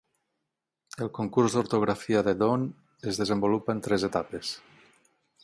El concurs d'ortografia de Dawn es desenvolupa en tres etapes.